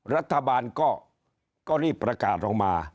รัฐบาลก็รีบประกาศลงมา